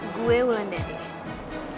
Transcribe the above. gue wulan dari